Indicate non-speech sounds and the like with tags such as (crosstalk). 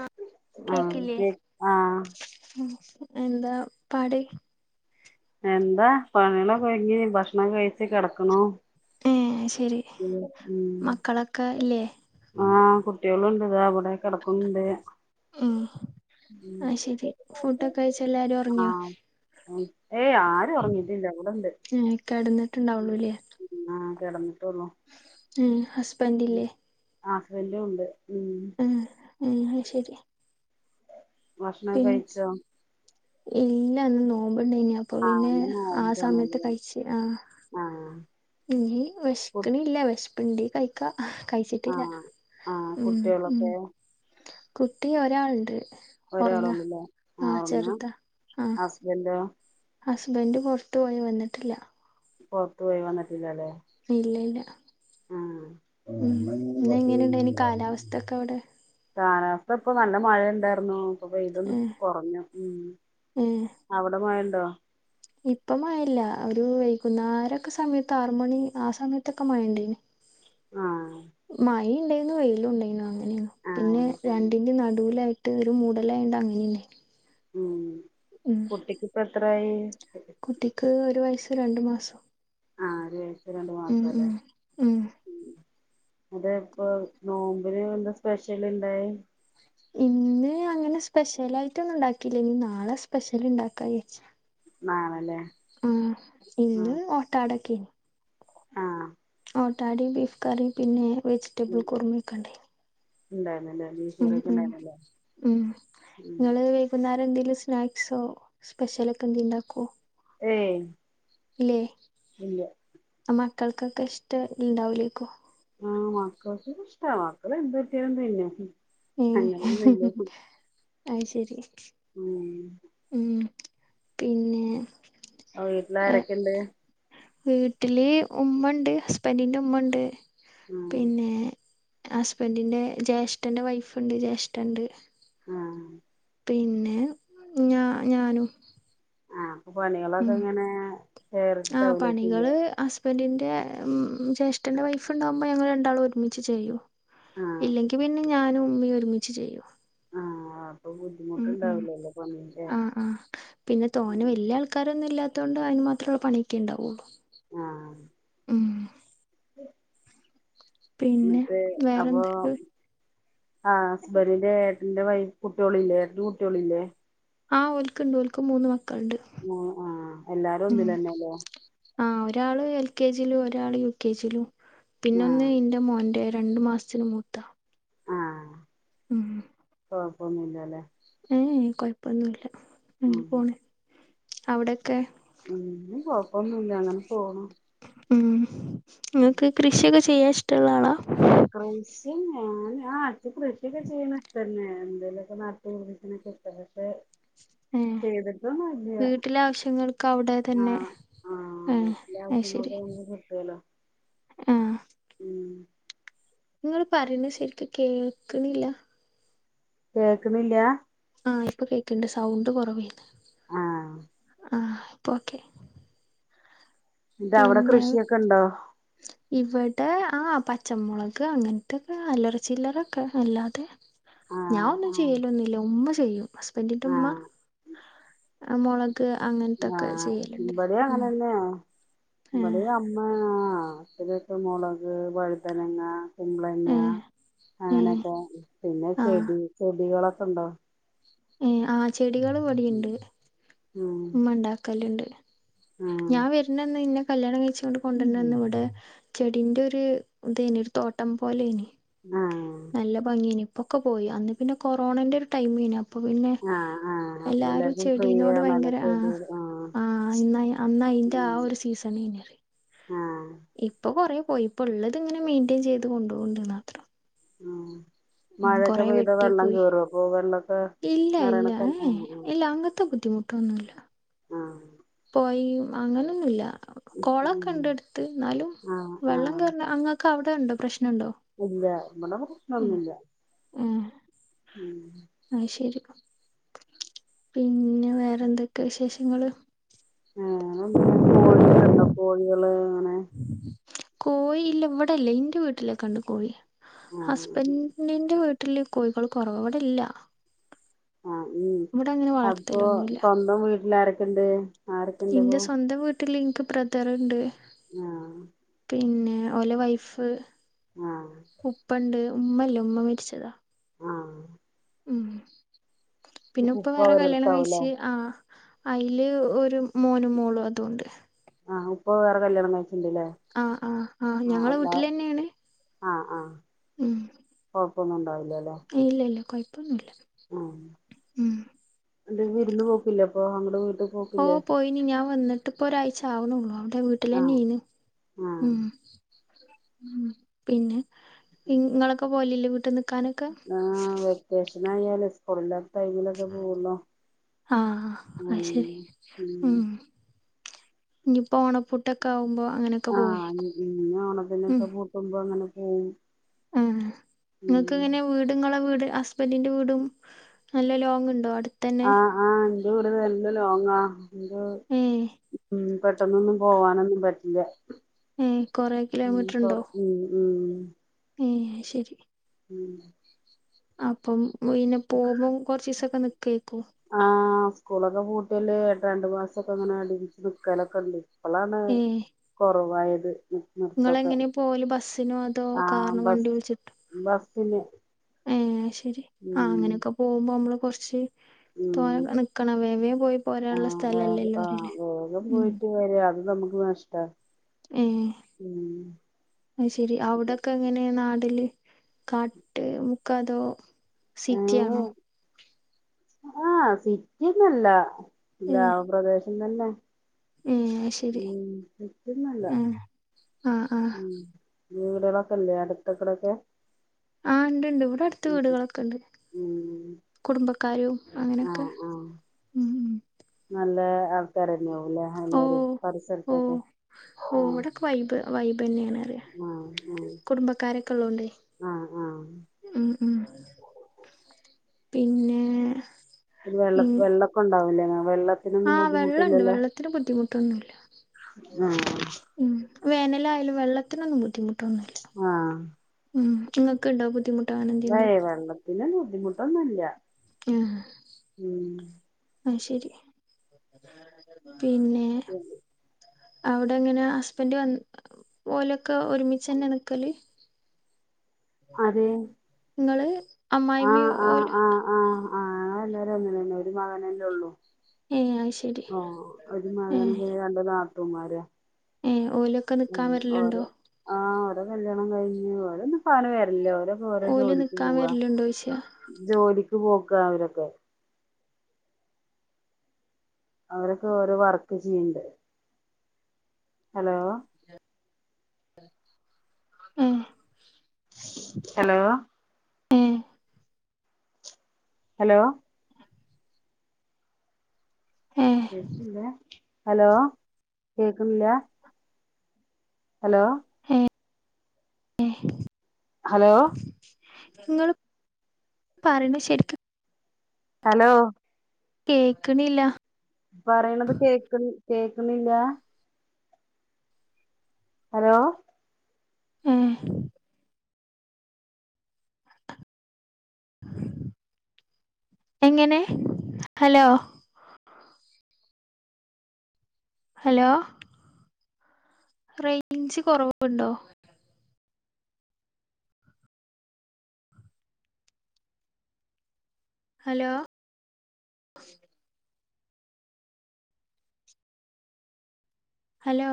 ആഹ് ആഹ് ശ ആഹ് (inaudible) എന്താ പാട് എന്താ പണികളൊ കഴിഞ്ഞ് ഭക്ഷണം കഴിച്ച് കെടക്കണു ഏഹ് ശരി ഉം മക്കളൊക്കെ ഇല്ലേ ആഹ് കുട്ട്യാളുണ്ട് ഇതാ ഇവടെ കേടക്കുന്നുണ്ട് ഉം ആഹ് ശെരി ഫുഡൊക്കെ കഴച്ച് എല്ലാരും ഉറങ്ങിയോ ആഹ് ഏയ് ആരും ഉറങ്ങിട്ടില്ല ഇവിടെണ്ട് ഉം കടന്നിട്ട്ണ്ടാവള്ളൂല്ലേ മം ആഹ് കെടന്നിട്ടള്ളൂ ഉം ഹസ്ബൻഡ് ഇല്ലേ ആഹ് ഹസ്ബൻഡ് ഉണ്ട് ഉം ഉം ഉം ആഹ് ശരി ഭക്ഷണം കഴിച്ചോ ഇല്ലന്ന് നോമ്പ്ണ്ടയിനി അപ്പൊ ആഹ് പിന്നെ ഇന്ന് ആഹ് സമയത്ത് നോമ്പാണല്ലേ കഴിച്ച് ആഹ് ആഹ് ഇനി കു വെഷക്ക്‌ണി ഇല്ല വിഷപ്പിണ്ട കഴ ഴിക്ക കഴിച്ചിട്ടില്ല ആഹ് ആഹ് ഉം ഉം കുട്ടികളൊക്കെ കുട്ടി ഒരാള്ണ്ട് ഒരാളൊന്നല്ല ആഹ് ഒന്ന് ആ ഹസ്ബൻഡോ ഹസ്ബൻഡ് പുറത്തു പോയി വന്നിട്ടില്ല പുറത്തു പോയി വന്നിട്ടില്ലല്ലേ ഇല്ല ഇല്ല ആഹ് ആഹ് ഉം അമ്മ ഇങ്ങനെ ഇന്ന് പുറത്ത് എങ്ങനെ ഉണ്ടെനി പോയി കാലാവസ്ഥൊക്കെ അവിടെ കാലാവസ്ഥ ഇപ്പൊ നല്ല മഴയ ഉണ്ടായിർന്നു ഇപ്പ പെയ്തൊന്ന് ഏഹ് കുറഞ്ഞു ഉം ഏഹ് അവിടെ മഴണ്ടോ ഇപ്പ മഴല്ല ഒരു വൈകുന്നേരംക്കെ സമയത്ത് ആറ് മണി ആഹ് സമയത്തൊക്കെ മയണ്ടേന് ആഹ് മഴ ഉണ്ടെന്നു വെയിലും ഉണ്ടെന്നു അങ്ങനെണ് പിന്നെ ആഹ് രണ്ടിന്റെ നടുലായിട്ട് ഒരു മൂടലായിണ്ട അങ്ങനിണ്ടായിനി ഉം കുട്ടിക്ക്പ്പ എത്രായി കുട്ടിക്ക് ഒരു വയസ്സ് രണ്ടു മാസം ആഹ ഒരുഴച്ച രണ്ടു മാസ ഉം അല്ലേ ഉം ഉം അതെ ഇപ്പോ നോമ്പില് എന്താ സ്പെഷ്യല് ഇണ്ടായി ഇന്ന് അങ്ങനെ സ്പെഷ്യലായിട്ട ഒന്നും ഉണ്ടാക്കില്ല ഇനി നാളെ സ്പെഷ്യൽ ഇണ്ടാക്കാ വച്ച് നളെലെ ആഹ് ഇന്ന് ഓട്ടാടൊക്കെ ആഹ് ഓട്ടാടെ ബീഫ് കറി പിന്നെ വെജിറ്റബിൾ കുറുമൊക്കെ ഉണ്ടേ ഉണ്ടാർന്ന്ല്ലെ ഉം ഉം ഉം ഉം നിങ്ങള് അപ്പന്നേര എന്തെങ്കലും സ്നാക്സോ സ്പെഷ്യല ഒക്കെ എന്തെലും ഉണ്ടാക്കുവോ ഏയ് ഇല്ലെ ഇല്ല ആഹ് മക്കൾക്കക്കെ ഇഷ്ടം ഇണ്ടാവുലേക്കും ആഹ് മക്കൾക്ക് ഇഷ്ടാ മക്കള് എന്ത് കിട്ടിയാലും തിന്നും ഉം അങ്ങനൊന്നില്ല അയ് ശരി ഉം ഉം പിന്നെ അപ്പോ വീട്ട്ലാരെക്കണ്ട് വീട്ടില് ഉമ്മണ്ട് ഹസ്ബന്റിന്റെ ഉമ്മണ്ട് ആഹ് പിന്നെ ഹസ്ബന്റിന്റെ ജ്യേഷ്ഠന്റെ വൈഫ്ണ്ട് ജ്യേഷ്ഠൻ ഇണ്ട് ആഹ് പിന്നെ ഞാ ഞാനും ആഹ് അപ്പൊ പണിയളൊക്കെ ഉം എങ്ങനെ ഷെയർട്ടാവുല്ലേ ചെയ്യാ ബന്റിന്റെ ഉം ജേഷ്ഠൻ്റെ വൈഫ് ഇണ്ടാവുമ്പോ ഞങ്ങള് രണ്ടാളും ഒരുമിച്ച് ചെയ്യും ആഹ് ഇല്ലെങ്കി പിന്നെ ഞാനും ഉമ്മി ഒരുമിച്ച് ചെയ്യും ആഹ് ഉം ഉം ബുദ്ധിമുട്ടുണ്ടാവില്ലല്ലോ പണീന്റെ ആഹ് ആഹ് പിന്നെ തോനെ വല്ല്യ ആൾക്കാരൊന്നും ഇല്ലാ ത്തോണ്ട് അയിന് മാത്രള്ള പണിയൊക്കെ ഇണ്ടാവോള്ളു ആഹ് പിന്നെ ന്ന്ട്ട് അപ്പോ വേറെന്തൊക്കെ ആഹ് ഹസ്ബന്റിന്റെ ഏട്ടന്റെ വൈഫ് കുട്ട്യോള്ല്ലേ ഏട്ടന്റെ കുട്ട്യോള്ല്ലേ ആഹ് ഓല്ക്ക്ണ്ട് ഓല്ക്ക് മൂന്ന് മക്കള്ണ്ട് ആഹ് ആഹ് എല്ലാരും ഉം ഒന്നിലന്നെല്ലേ ആഹ് ഒരാള് എൽ കെ ജിലും ഒരാള് യു കെ ജിലും പിന്നെ ഒന്ന് ആഹ് ഇന്റെ മോന്റെ രണ്ട് മാസ്ത്തിന് മൂത്ത ആഹ് ഉം കൊഴപ്പൊന്നുല്ലല്ലേ ഏഹ് കൊഴപ്പൊന്നുല്ല ഇങ്ങനെ ഉം പോണ് അവടെക്കെ ഉം (unintelligible) കൊഴപ്പൊന്നുല്ല അങ്ങനെ പോണു ഉം ഇങ്ങക്ക് കൃഷിയെക്കെ ചെയ്യാൻ ഇഷ്ടള്ള ആളാ കൃഷി ഞാന് ആഹ് അട്ത്ത് കൃഷിയൊക്കെ ചെയ്യ്ണ ഇതന്നെ എന്തേലെക്കെ നട്ട് പുട്പ്പിച്ച്നക്കെ (unintelligible) ഏഹ് വീട്ടിലെ ആവശ്യങ്ങൾക്ക് അവ്ടെ തന്നെ ആഹ് ആഹ് ഏഹ് വീട്ടിലെ അയ് ശരി ആവശ്യങ്ങൾക്ക് നമുക്ക് കിട്ടുവല്ലോ ആഹ് ഉം ഇങ്ങള് പറിണെ ശരിക്ക് കേക്ക്ണില്ല കേൾക്ക്ണില്ല ആഹ് ഇപ്പൊ കേക്ക്ണ്ട് സൗണ്ട് കെറവേര്ന്ന് ആഹ് ആഹ് ഇപ്പൊ ഓക്കെ ന്ന്ട്ട് അവടെ കൃഷിയൊക്കണ്ടോ ഇവടെ ആഹ് പച്ച മൊളക് അങ്ങത്തെക്കെ അല്ലറച്ചില്ലറെക്കെ അല്ലാതെ ഞാൻ ആഹ് ഒന്നും ആഹ് ചെയ്യലൊന്നില്ല ഉമ്മ ചെയ്യും ഹസ്ബന്റിന്റെ ഉമ്മ ആഹ് ആഹ് മൊള ക്ക് അങ്ങ ആഹ് ഇബടിം അങ്ങനെന്നെ ഏഹ് ഇബടെം അമ്മ (unintelligible) മൊളക്, വഴുതനങ്ങ കുമ്പളങ്ങ ഏഹ് ഏഹ് അങ്ങനെക്കെ പിന്നെ ആഹ് ചെടി ചെടികളൊക്കണ്ടോ ഏഹ് ആഹ് ചെടികള് ഇവടിണ്ട് ഉം ണ്ടാക്കലണ്ട് ആഹ് ഞാൻ വരന്നെന്ന് ഇന്നെ കല്യാണം കഴിച്ച് കൊണ്ട് കൊണ്ടുവരന്ന് ഇവിടെ ചെടിന്റെ ഒരു ഇതേനു ഒരു തോട്ടം പോലെനി ആഹ് നല്ല ഭംഗിയാണ് ഇപ്പൊക്കെ പോയി അന്ന് പിന്നെ കൊറോണന്റെ ഒരു ടൈംമ് അപ്പൊ പിന്നെ ആഹ് ആഹ് അപ്പൊ എല്ലാരും എല്ലാർക്കും ഫ്രീ ചെടിനോട് ആണല്ലോ ഭയങ്കര ആഹ് ചെടികള് ആഹ് ആഹ് അന്ന് അയിന്റെ ഉം ആഹ് ഒരു സീസണ് ആഹ് ഇപ്പൊ കൊറേ പോയി ഇപ്പൊ ഉള്ളത് ഇങ്ങനെ മെയിൻറ്റെയിൻ ചെയ്ത് കൊണ്ട് പോണ്ട് മാത്രം ഉം ഉം മഴയൊക്കെ കൊറേ പെയ്ത വെട്ടി വെള്ളം പോയി കേയറുവോ അപ്പൊ വെള്ളമൊക്കെ ഇല്ല നിറയണ സ്ഥലം ഇല്ല അംഗത്തെ ബുദ്ധിമുട്ടൊന്നും ഇല്ല ഒന്നുമില്ല ആഹ് പൊയ അങ്ങനൊന്നുമില്ല കൊളക്കെ ഉണ്ട്ടുത്ത് എന്നാലും ആ ആ ആ ആ വെള്ളം കേറുന്നാ അങ്ങെന ഒ അവിടെ ഉണ്ടോ പ്രശ്നുണ്ടോ ഇല്ല ഇവിടെ പ്രശ്നൊന്നുംമില്ല ആഹ് ഉം ആഹ് ശരി പിന്നെ വേറെന്തൊക്കെ വിശേഷങ്ങള് ഏഹ് വേറെ എന്താ കോഴിയൊക്കെ ഇണ്ടോ കോഴികള് അങ്ങനെ കോഴില്ല ഇവിടെല്ലേ ഇന്റെ വീട്ടിലൊക്കെണ്ട് കോഴി ആ ഹസ്ബൻറിന്റെ വീട്ടിൽ വീട്ടില് കോഴികൾ കുറവാ ഇവിടെല്ല ആഹ ഉം അപ്പൊ വളർത്തലൊന്നുല്ല സ്വന്തം വീട്ടില് ആരൊക്കെണ്ട് എന്റെ ആരൊക്കെണ്ട്പ്പോ സ്വന്തം വീട്ടിൽ എനിക്ക് ബ്രദറുണ്ട് ആഹ് പിന്നെ ഓല വൈഫ് ആഹ് ഉപ്പുണ്ട് ഉമ്മല്ല ഉമ്മ മരിച്ചതാ ആഹ് ഉം പിന്നെ ഉപ്പ വേറെ കല്യാണം കഴിച്ച് ആഹ് അയില് ഒരു മോനും മോളും അതുണ്ട് ആഹ് ഉപ്പ് വെറെ കല്യാണം കഴിച്ചിണ്ടല്ലേ ആഹ് ആഹ് ആഹ് ഞങ്ങളെ വീട്ടില് തന്നെയാണ് ഉം കുഴപ്പമൊന്നും ഉണ്ടാവില്ല അല്ലെ ഇല്ല ഇല്ല കുഴപ്പമൊന്നുമില്ല ഉം വിരുന്ന് പോക്കില്ലെ അപ്പൊ അങ്ങടെ വീട്ടിൽ ഓ പോയിനി ഞാൻ വന്നിട്ടിപ്പൊ ഒരാഴ്ച ആവുന്നുള്ളൂ അവടെ വീട്ടിൽ വീട്ടിൽ ആ തന്നെ അയിന് ആഹ് ഉം ഉം പിന്നെ ഇങ്ങളൊക്കെ പോലല്ലേ വീട്ട് നിക്കാനൊക്കെ ആഹ് വെക്കേഷൻ ആയാല് സ്കൂളിലാം ആഹ് അത് ഉം ശരി ഉം ഇനിയിപ്പോ ഓണപ്പൂട്ടൊക്കെ ആവുമ്പോ അങ്ങനെയൊക്കെ പോവരിക്കും ഉം കുംമ്പ അങ്ങനെ പോവും ഉം ഉം നിങ്ങക്ക് എങ്ങനെയാവും വീട് ങ്ങളെ വീട് ഹസ്ബൻഡിന്റെ വീടും നല്ല ലോങ് ഉണ്ടോ അടുത്തന്നെ ആ എന്റെ വീട് നല്ല ലോങ്ങാ ഏഹ് പെട്ടെന്നൊന്നും പോവാനൊന്നും പറ്റില്ല ഏഹ് കൊറെ കൊറ മ്മ് മ്മ് ഏ ശ്ശേരി മ്മ് അപ്പം പിന്നെ പോകുമ്പോം കൊറച്ചീസൊക്കെ നിക്കുവായിരിക്കും ആ സ്കൂളൊക്കെ പൂട്ടിയാലെ രണ്ട് മാസൊക്കെ അങ്ങനെ അടിപ്പിച്ചു നിൽക്കലൊക്കെണ്ട് ഇപ്പളാണ് ഏഹ് കൊറവായത് നിർത്തൊക്കെ നിങ്ങളെങ്ങനെ പോവല് ബസ്സിനോ അതോ ആഹ് കാറ് വണ്ടി ബസ് വിളിച്ചിട്ടൊ ബസ്സിന് ഏ ശ്ശെരി ആ ഉം അങ്ങനെയൊക്കെ പോകുമ്പോ നമ്മള് കൊറച്ച് ഉം തോനെ നിക്കണ വേം വേം പോയി പോരാനുള്ള ആഹ് സ്ഥലല്ലേയില്ലു അറില്ലേ ഉ ശെരിയ അത് നമുക്ക് നഷ്ട ഏയ്‌ അത് ശെരി അവിടൊക്കെ എങ്ങനെ നാടല് കാട്ട് മുക്കാതോ സിറ്റി ഏഹ് ആണോ ആഹ് സിറ്റിന്നല്ല ഗ്രാമപ്രദേശംതന്നെ ആഹ് ഉം കിട്ടുന്നില്ല ആ ആ ഉം വീടുകളൊക്കെയില്ലേ അടുത്തുക്കൂടെയൊക്കെ ആ ഇണ്ടിണ്ട് ഇവിടെ അടുത്ത് വീടുകളൊക്കെണ്ട് ഉം കുടുംബക്കാരും അങ്ങനെയൊക്കെ ആഹ് ആഹ് ഉം ഉം നല്ല ആൾക്കാരെന്നെയോ ഉള്ളെ ഓ എല്ലാരും ഓ പരിസരത്തൊക്കെ ഓ ഉം ഇവിടെക്കെ വൈബ് വൈബന്നെയാണെന്ന് പറയാ കുടുംബക്കാരൊക്കെ ഉള്ളോണ്ടേ ആ ആ ഉം ഉം പിന്നെ വെള്ള ഉം വെള്ളപ്പംണ്ടാവൂല്ലേ വെള്ള ആ വെള്ളുണ്ട് വെള്ളത്തിന് ബുദ്ധിമുട്ടൊന്നുല്ല ആഹ് ഉം വേനലയാലും വെള്ളത്തിനൊന്നും ബുദ്ധിമുട്ടൊന്നില്ല ആഹ് മ്മ് നിങ്ങക്കിണ്ടോ ബുദ്ധിമുട്ട് അങ്ങനെ എന്തെലുണ്ടോ ഏയ്‌ വെള്ളത്തിന് ബുദ്ധിമുട്ടൊന്നുമില്ല ആഹ് അത് ശേരി പിന്നെ അവിടെ എങ്ങനെ ഹസ്ബൻഡ് വന്നിക്കാ ഓലൊക്കെ ഒരുമിച്ച് തന്നെയ നിക്കല് അതെ നിങ്ങള് അമ്മായിമ്മയും ഓലും ആ എല്ലാരും അങ്ങനെന്നെ ഒര് മകനല്ലേ ഉള്ളൂ ഏ അത് ശരി ഒരു ഏ മകനും രണ്ട് നാത്തൂന്മാരും ഏ ഓലൊക്കെ നിക്കാൻ മ്മ് ഓല് വരലുണ്ടോ ആ ഓലെ കല്യാണം കഴിഞ്ഞു ഓരന്നുംപ്പങ്ങനെ വരലില്ലേ ഓരോ ഓരോ ഓല് ജോലിക്ക് നിക്കാൻ പോവാ വരലുണ്ടോയ്ച്ച ജോലിക്ക് പോക്ക അവരൊക്കെ അവരൊക്കെ ഓരോ വർക്ക് ചെയ്യണ്ട് ഹലോ ആഹ് ഹലോ ഏ ഹലോ ഏ കേക്കില്ല ഹലോ കേക്കുന്നില്ല ഹലോ ഏ ഏ ഹലോ ങ്ങള് പറയണ ശരിക്കും ഹലോ കേക്ണില്ല പറയണത് കേക് കേക്കുന്നില്ല ഹലോ ഉം എങ്ങനെ ഹലോ ഹലോ റേഞ്ച് കുറവുണ്ടോ ഹലോ ഹലോ